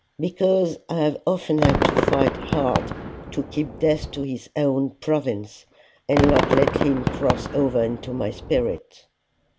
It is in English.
"Because I have often had to fight hard to keep death to his own province, and not let him cross over into my spirit."